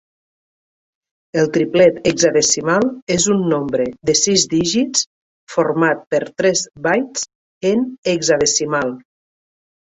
El triplet hexadecimal és un nombre de sis dígits format per tres bytes en hexadecimal.